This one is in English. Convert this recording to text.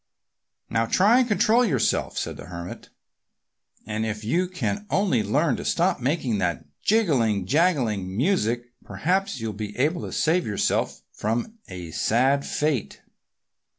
"Now try to control yourself," said the Hermit. "And if you can only learn to stop making that jingling, jangling music perhaps you'll be able to save yourself from a sad fate."